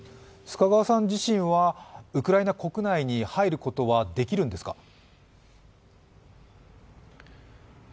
須賀川さん自身はウクライナ国内に入ることはできるんですか？